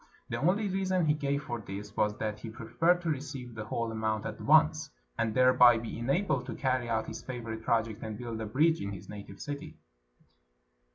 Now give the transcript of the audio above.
The only reason he gave for this was that he preferred to receive the whole amount at once, and thereby be enabled to carry out his favorite project and build a bridge in his native city.